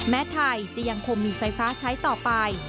แม้ไทยจะยังคงมีไฟฟ้าใช้ต่อไป